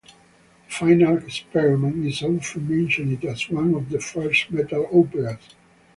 "The Final Experiment" is often mentioned as one of the first metal operas.